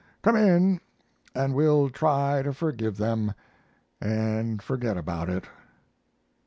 Come in and we'll try to forgive them and forget about it."